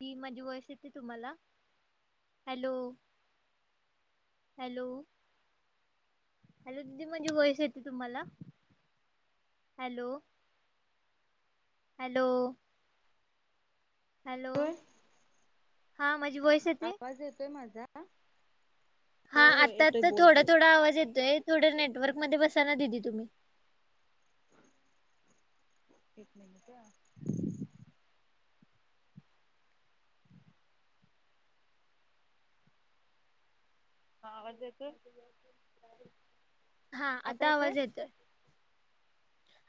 ही माझी वॉइस येते तुम्हाला, हॅलो हॅलो हॅलो दिदी माझी वाईस येते तुम्हाला, हॅलो हॅलो हॅलो, होय. माझी व्हॉइस आवाज येतोय माझा हा होय होय आता, येतोय आता बोल थोडा, बोल थोडा आवाज येतोय थोडं नेटवर्क मध्ये बसा ना दिदी तुम्ही एक मिनिट हा आवाज येतोय हा आता आवाज येतोय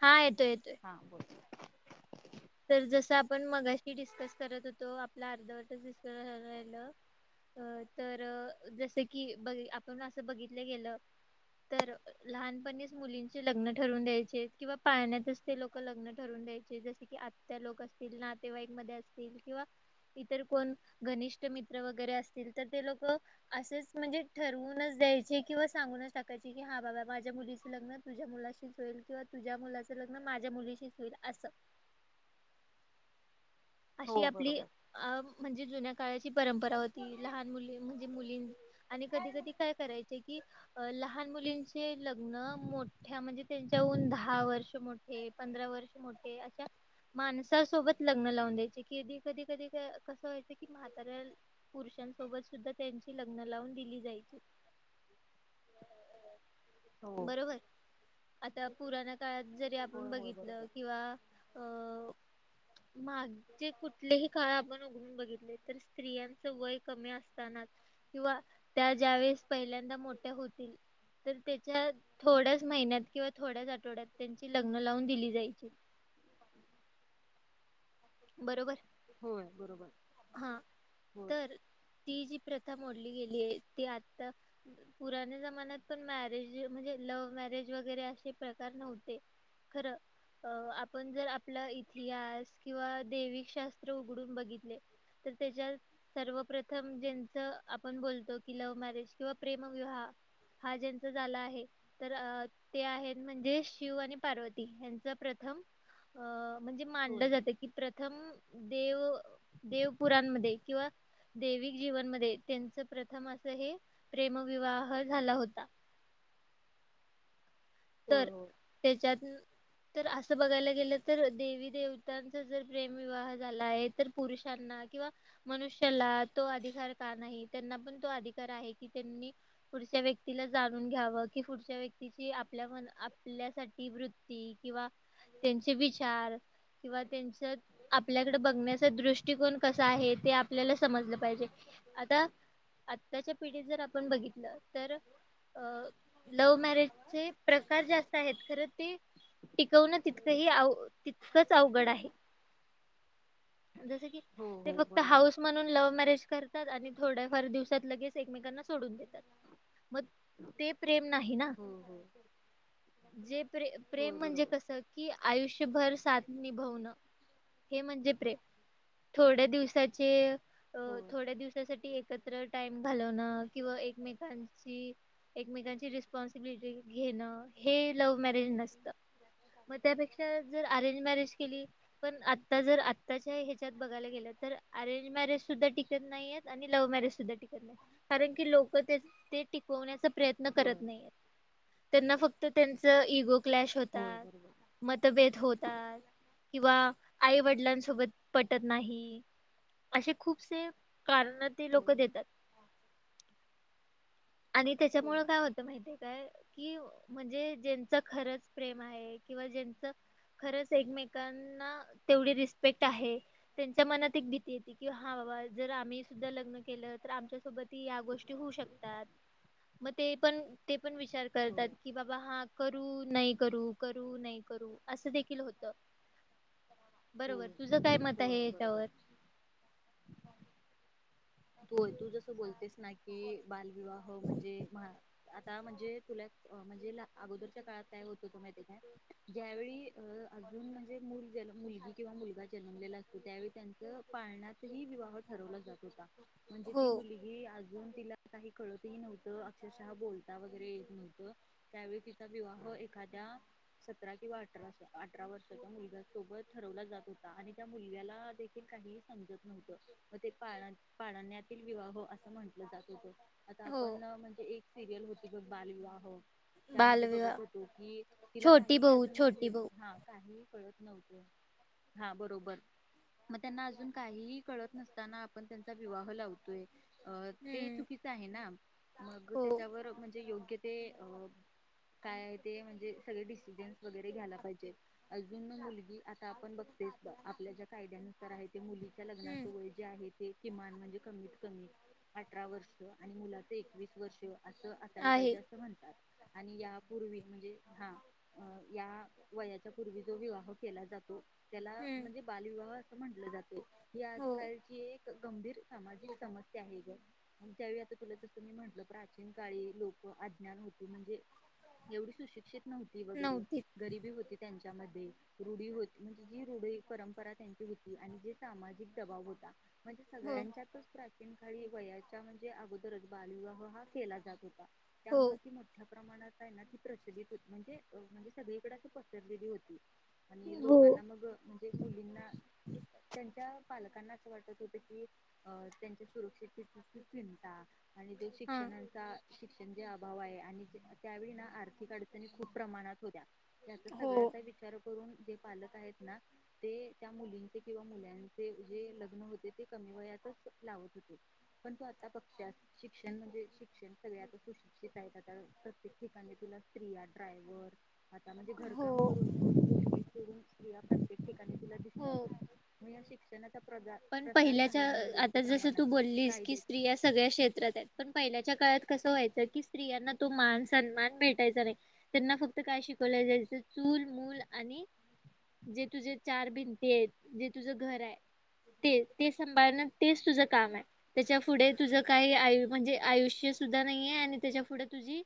हा येतोय येतोय हां बोल. तर जस आपण मगाशी डिस्कस करत होतो आपलं अर्धवटच डिस्कस राहिलं अ तर जस की ब आपण असं बघितलं गेलं. तर लहानपणीच मुलींचे लग्न ठरवून द्यायचे किंवा पाळण्यात ते लोक लग्न ठरवून द्यायचे जस की त्या लोक असतील नातेवाईक मध्ये असतील किंवा इतर कोण घनिष्ठ मित्र वगैरे असतील तर ते लोक असेच म्हणजे ठरवूनच द्यायचे किंवा सांगूनच टाकायचे की हा बाबा माझ्या मुलीच लग्न तुझ्या मुलाशीच होईल किंवा तुझ्या मुलाच लग्न माझ्या मुलीशीच होईल असं अशी हो आपली बरोबर. अ म्हणजे जुन्या काळाची परंपरा होती लहान मुली म्हणजे मुलीं आणि कधी -कधी काय करायच की लहा लहान मुलींचे लग्न मोठ्या म्हणजे त्यांच्याहून दहा वर्ष मोठे पंधरा वर्ष मोठे अशा माणसासोबत लग्न लावून द्यायचे कधी कधी कधी कस व्हायचं की म्हातऱ्या पुरुषांसोबत सुद्धा त्यां लग्न लावून दिली जायची हो बरोबर, आता पुराणा काळात जरी होय आपण होय बघितलं बरोबर किंवा अ मागचे कुठलेही काळ आपण बघितले तर स्त्रियांच वय कमी असतानाच किंवा त्या ज्यावेेळेस पहिल्यांदा मोठ्या होतील तर त्याच्या थोड्याच महिन्यात किंवा थोड्याच आठवड्यात त्यांची लग्न लावून दिली जायची बरोबर होय, बरोबर हा होय तर ती जी प्रथा मोडली गेली आहे ती आता पुराण्या जमान्यात पण मॅरेज म्हणजे लव्ह मॅरेज वगैरे असे प्रकार नव्हते. खर अ आपण जर आपला इतिहास किंवा दैविक शास्त्र उघडून बघितले. तर तेज्याज सर्वप्रथम जेन्च आपण बोलतो कि लव्ह मॅरेज किंवा प्रेमविवाह हा ज्यांचा झाला आहे तर अ ते आहेत म्हणजे शिव आणि पार्वती हेंच प्रथम अ म्हणजे होय मानलं जातं की प्रथम देव देवपुरांमध्ये किंवा दैविक जीवनमध्ये त्यांच प्रथम अस हे प्रेमविवाह झाला होता. होय तर होय. तेच्यातन तर असं बघायला गेलं तर देवी देवतांचा जर प्रेमविवाह झाला आहे तर पुरुषांना किंवा मनुष्याला तो अधिकार का नाही त्यांना पण तो अधिकार आहे की त्यांनी पुढच्या व्यक्तीला जाणून घ्याव की पुढच्या व्यक्तीची आपल्या आपल्यासाठी वृत्ती किंवा त्यांचे विचार किंवा त्यांच्या आपल्याकडे बघण्याचा दृष्टिकोन कसा आहे ते आपल्याला समजलं पाहिजे आता. आत्ताच्या पिढी जर आपण बघितलं तर अ लव्ह मॅरेजचे प्रकार जास्त आहेत खरं ते. टिकवणं तितकंही तितकंच अवघड आहे. ज की हो ते हो फक्त बरोबर हाऊस आहे म्हणून लव्ह मॅरेज करतात आणि थोड्या फार दिवसात लगेच एकमेकांना सोडून देतात मग ते प्रेम नाही ना. हो हो जे प्रे होय प्रेम म्हणजे बरोबर कस की आयुष्यभर साथ निभवणं. हे म्हणजे प्रेम थोड्या दिवसाचे होय थोड्या दिवसासाठी एकत टाइम घालवण किंवा एकमेकांची एकमेकांची रिस्पॉन्सिबिलिटी घेणं. हे लव्ह मॅरेज नसत मग त्यापेक्षा जर अरेंज मॅरेज केली पण आता जर आत्ताच्या ह्याच्यात बघायला गेलं तर अरेंज मॅरेज सुद्धा टिकत नाही आहेत आणि लव्ह मॅरेज सुद्धा टिकत नाही. कारण की लोक ते टिकवण्याचा प्रयत्न करत होय नाहीेत. त्यांना फक्त त्यांच इगो क्लॅश होय होतात. बरोबर मतभेद होतात किंवा आई वडिलांसोबत पटत नाही. असे खूपसे कारण ते होय लोक देतात. आणि होय त्याच्यामुळेळ काय होतं माहितीय. काय कि म्हणजे ज्यांच खरंच प्रेम आहे किंवा ज्यांच खरंच एकमेकांना तेवढी रिस्पेक्ट आहे. त्यांच्या मनात एक भीती येते की हा बाबा जर आम्ही सुद्धा लग्न केलं तर आमच्यासोबत ती या गोष्टी होऊ शकतात. मग ते पण ते पण विचार करतात होय की बाबा हा करू नाही करू. करू नाही करू असं देखील होतं. बरोबर होय तुझं काय मत आहे होय याच्यावर - बरोबर. तू तू जसं बोलतेस ना की बालविवाह म्हणजे आता म्हणजे तुला म्हणजे अगोदरच्या काळात काय होतो होतो माहि ते काय ज्यावेळी अ अजून म्हणजे मुल जन्मलेलं मुलगी किंवा मुलगा जन्मलेला असतो त्यावेळी त्यांच पाळण्यात ह विवाह ठरवला जात होता. म्हणजे हो ती मुलगी अजून तिला काही कळतही नव्हतं अक्षरशः बोलता वगैरे येत नव्हतं. त्यावेळी तिचा विवाह एखाद्या सतरा किंवा अठरा अठरा वर्षाच्या मुलग्यासोबत ठरवला जात होता आणि त्या मुलगला देखील काही समजत नव्हत म ते पाळना पाळण्यातील विवाह असं म्हंटलं जात होतं. आता हो आपण म्हणजे एक सिरियल होती बघ बालविवाह. त्यामध्ये बघत बालविवाह होतो कि तिला छोटी काही बहू अजून छोटी म्हणजे बहू हा काही कळत नव्हतं. हा बरोबर. मग त्यांना अजून काहीही कळत नसताना आपण त्यांचा विवाह लावतोय अ ते हम्म चुकीचं आहे ना मग हो त्याच्यावर म्हणजे योग्य ते अ. काय आहे ते म्हणजे सगळे डिसिजन्स वगैरे घ्यायला पाहिजे अजून मुलगी आहे. आपण बघतेस बघ आपल्या ज्या कायद्यानुसार आहे ते मुलीच्या लग्नाच हम्म वय. जे आहे ते किमान म्हणजे कमीत कमी अठरा वर्ष आणि मुला चे एकवीस वर्ष. असं आला आहे पाहिजे असं म्हणतात आणि यापूर्वी म्हणजे हा. अ या वयाच्या पूर्वी जो विवाह केला जातो. त्याला हम्म म्हणजे बालविवाह असं म्हटलं जातं ही हो आजकालची एक गंभीर सामाजिक समस्या आहे ग. आणि त्यावेळी आता तुला जसं मी म्हंटलं प्राचीन काळी लोक अज्ञान होत म्हणजे एवढी सुशिक्षित नव्हती वगैरे नव्हती गरीबी होती त्यांच्यामध्ये रुढी होती. म्हणजे जी रुढी परंपरा त्यांची होती. आणि जे सामाजिक दबाव होता. म्हणजे हो सगळ्यांच्यातच प्रथा - [inaudible] काळी वयाच्या म्हणजे अगोदरच बालविवाह हा केला जात होता. हो त्यामुळे ती मोठ्या- प्रमाणात आहे ना? ती प्रचलित होती. म्हणजे म्हणजे सगळीकडे अशी पसरलेली होती आणि हो लोक- मग म्हणजे मुलींना, त्यांच्या पालकांना असं वाटत होत की- अ. त्यांच्या सुरक्षिततेची चिंता आणि जो हां शिक्षणाचा- शिक्षण जे अभाव आहे. आणि त्यावेळी ना आर्थिक अडचणी खूप प्रमाणात होत्या. याचा हो सगळ्याचा विचार करून, जे पालक आहेत ना? ते त्या मुलींचे किंवा मुलांचे जे लग्न होते ते कमी वयातच लावत होते. पण तू आता बघतीयास शिक्षण म्हणजे शिक्षण सगळ्याच [unintelligible] [unintelligible] प्रत्येक ठिकाणी तुला स्त्रिया ड्रायव्हर- आता म्हणजे हो घरकाम करून, चूल मूल हे करून- स्त्रिया प्रत्येक ठिकाणी तुला हो दिसतातच. मग या शिक्षणाचा प्रसार- पण पहिल्याच्या, झाल्यामुळे योग्य आता जसं प्रमाणात तू बोललीस की कायदे स्त्रि या सगळ्या क्षेत्रात आहेत. पण पहिल्याच्या काळात कसं व्हायचं? की स्त्रियांना तो मान सन्मान भेटायचा नाही. त्यांना फक्त काय शिकवलं जायच? चूल, मूल आणि- जे तुझे चार भिंती आहेत. जे तुझं घर आहे. ते ते सांभाळण तेच तुझं काम आहे. त्याच्या पुुढे तुझ, काहीय आयु म्हणजे आयुष्य सुद्धा नाहीये आणि त्याच्या पुुढ तुझी-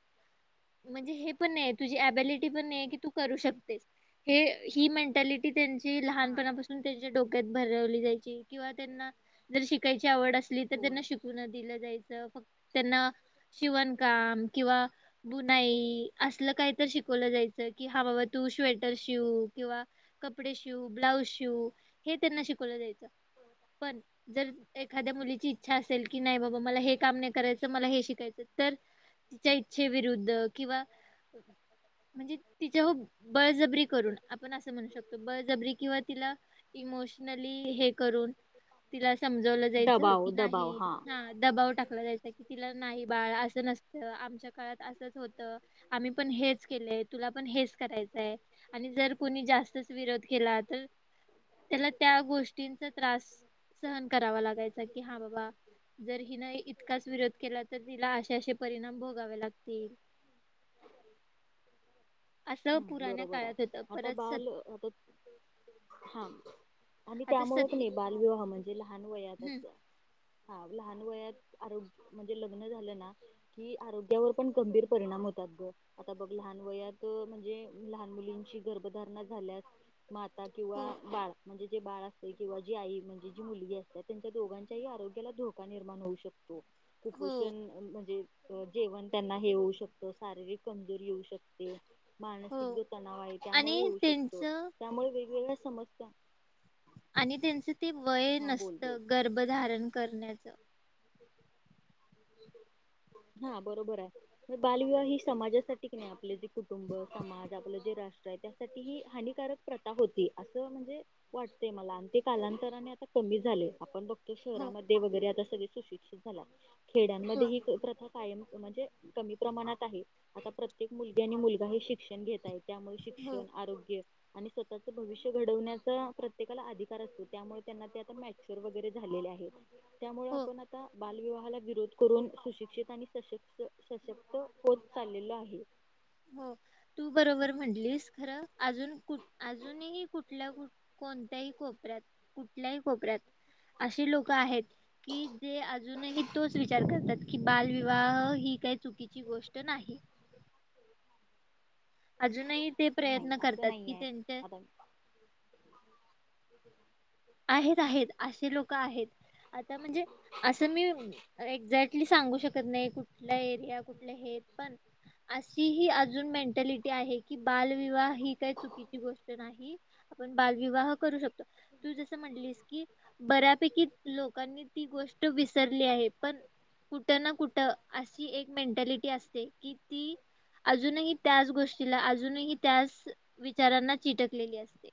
म्हणजे हे पण नाहिए. तुझी अब्यलिटी पण नाहिए की तू करू शकतेस. ही मेंटॅलिटी- टी त्यांची हा लहानपणापासून त्यांच्या डोक्यात भरवली जायची. किंवा त्यांना जर शिकायची आवड असली तर होय. त्यांना शिकु- नाही दिलं जायचं. फक्त त्यांना शिवणकाम किंवा- बुनाई असल काही तरी शिकवलं जायचं. कि हा बाबा तू श्वेटर शिव किंवा- कपडे शिव, ब्लाऊज शिव हे त्यांना शिकवलं जायचं. पण जर एखाद्या मुलीची इच्छा असेल की नाही बाबा मला हे काम नाही करायचं- त मला हे शिकायचं. तर तिच्या इच्छेविरुद्ध किंवा- म्हणजे तिच्याव- बळजबरी करून आपण असं म्हणू शकतो. बळजबरी किंवा तिला इमोशनली हे- करून तिला समजवलं जायच दबाव की दबाव हा नाही- दबाव टाकला जायचा की तिला नाही बाळ असं नसतं. आमच्या काळात असंच होतं. आम्ही पण हेच केलंय. तुला पण हेच करायचंय. आणि जर कोणी जास्त- च विरोध केला तर त्याला त्या गोष्टींचा त्रास- सहन करावा लागायचा की हा बाबा- जर हिन इतकाच विरोध केला तर, तिला असे असे परिणाम भोगावे लागतील. असं हम्. पुराण्या बरोबर आहे. काळात होतं आता परत सत बाल आता हा. आणि आता त्यामुंळ की सती नाही बालविवाह म्हणजे लहान हम्म वयातच- हा. लहान वयात आरोग्य म्हणजे लग्न झालं ना? कि आरोग्यावर पण गंभीर परिणाम होतात ग! आता बघ लहान वयात- म्हणजे लहान मुलींची गर्भधारणा झाल्यास माता हो किंवा बाळ- म्हणजे जे बाळ असतय किंवा जी आई म्हणजे जी मुलगी असते त्यांच्या दोघांच्याही आरोग्याला धोका निर्माण होऊ शकतो. हो हो कुपोषण- म्हणजे जेवण त्यांना हे होऊ शकतं. शारीरिक कमजोरी येऊ शकते. हो मानसिक जो तणाव आहे त्यामुळे आणि येऊ शकतो. त्यांचं त्यामुळे वेगवेगळ्या समस्या- आणि त्यांचं ते वय हा बोल बोल नसतं. गर्भधारण करण्याच. हा. बरोबर आहे. बालविवाह ही समाजासाठी क नाही. आपलं जे कुटुंब, समाज आपलं ते राष्ट्र आहे त्या- त ती हानिकारक प्रथा होती असं म्हणजे- वाटतय मला. आणि ते कालांतराने आता कमी झालय. आपण बघ- तो हो शहरामध्ये वगैरे आता सगळे सुशिक्षित झाला. हो खेड्यांमध्ये ही प्रथा कायम म्हणजे कमी प्रमाणात आहे. आता प्रत्येक मुलगी आणि मुलगा हे शिक्षण घेत आहेत. त्यामुळे हो शिक्षण, आरोग्य आणि स्वतःचं भविष्य घडवण्याचा प्रत्येकाला अधिकार असतो. त्यामुळे त्यांना ते आता मॅच्युअर वगैरे झालेले आहे. [inaudible] त्यामुळे आपण आता बालविवाहाला विरोध करून सुशिक्षित आणि सशक्त सशक्त होत चाललेलो आहे. हो तू बरोबर म्हटलीस. खर अजून अजूनही कुठल्या कोणत्याही कोपऱ्यात कुठल्याही कोपऱ्यात अशी लोक आहेत. कि जे अजूनही तोच विचार करतात की, बालविवाह ही काही चुकीची गोष्ट नाही. अजूनही ते नाही प्रयत्न असं करतात नाही कि आहे त्यांच्या आता आहेत आहेत असे लोक आहेत. आता म्हणजे अस मी एक्झॅक्टली सांगू शकत नाही. कुठल्या एरिया कुठल्या हे पण अशी ही अजून मेंटॅलिटी आहे की, बालविवाह ही काही चुकीची गोष्ट नाही. आपण बालविवाह करू शकतो. तू जस म्हटलीस की बऱ्यापैकी लोकांनी ती गोष्ट विसरली आहे. पण कुठ ना कुठ अशी एक मेंटॅलिटी असते कि ती अजूनही त्याच गोष्टीला. अजूनही त्याच विचारांना चिटकलेली असते.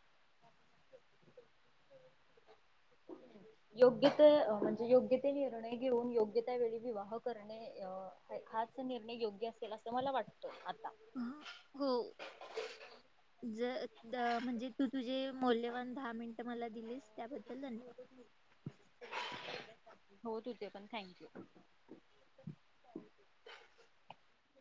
योग्य ते म्हणजे योग्य ते निर्णय घेऊन, योग्य त्यावेेळी विवाह करणे हाच निर्णय योग्य असेल अस मला वाटत आता. ह हो ज म्हणजे तू तुझे मौल्यवान दहा मिनिट मला दिलीस त्याबद्दल धन्यवाद. होत होते पण थँक यू.